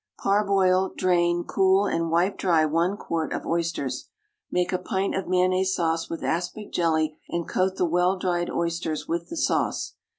= Parboil, drain, cool, and wipe dry one quart of oysters. Make a pint of mayonnaise sauce with aspic jelly and coat the well dried oysters with the sauce.